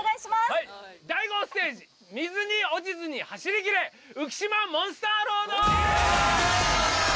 はい第５ステージ水に落ちずに走りきれ浮島モンスターロード！